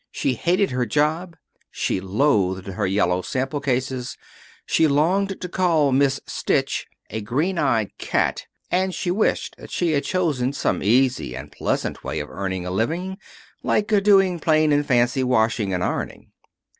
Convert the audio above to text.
She hated her job; she loathed her yellow sample cases; she longed to call Miss Stitch a green eyed cat; and she wished that she had chosen some easy and pleasant way of earning a living, like doing plain and fancy washing and ironing.